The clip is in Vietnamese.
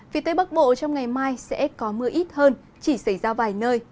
phía tây bắc bộ trong ngày mai sẽ có mưa ít hơn chỉ xảy ra vài nơi